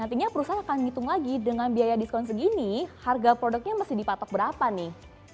nantinya perusahaan akan ngitung lagi dengan biaya diskon segini harga produknya masih dipatok berapa nih